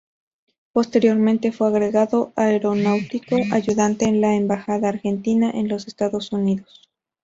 Posteriormente fue agregado aeronáutico ayudante en la embajada argentina en los Estados Unidos.